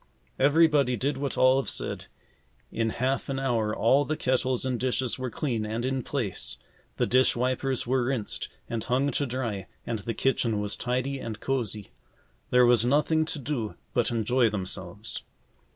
Everybody did what Olive said. In half an hour all the kettles and dishes were clean and in place. The dish wipers were rinsed and hung to dry and the kitchen was tidy and cosy. There was nothing to do but enjoy themselves.